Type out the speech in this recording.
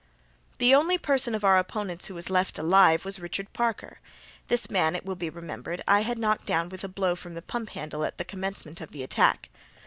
The only person of our opponents who was left alive was Richard Parker. This man, it will be remembered, I had knocked down with a blow from the pump handle at the commencement of the attack.